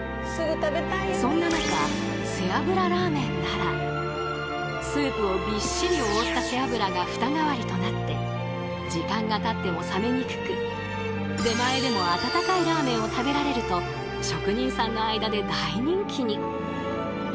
そんな中スープをびっしり覆った背脂がフタ代わりとなって時間がたっても冷めにくく出前でも温かいラーメンを食べられると職人さんの間で大人気に！